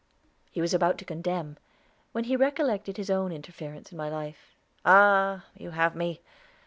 He was about to condemn, when he recollected his own interference in my life. "Ah! you have me.